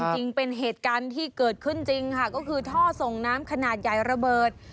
จริงเป็นเหตุการณ์ที่เกิดขึ้นจริงค่ะก็คือท่อส่งน้ำขนาดใหญ่ระเบิด